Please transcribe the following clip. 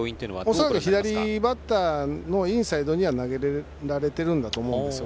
恐らく左バッターのインサイドには投げられているとは思うんです。